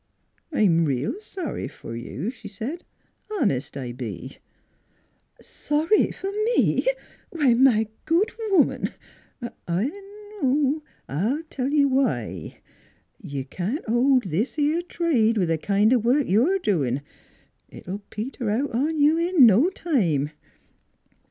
" I'm reel sorry f'r you," she said. " Honest, I be." " Sorry for me? Why, my good woman, j "" Uh huh ! 'n' I'll tell you why. You can't hold this 'ere trade with th' kind o' work you're doin'. It'll peter out on you in no time."